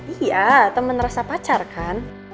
iya teman rasa pacar kan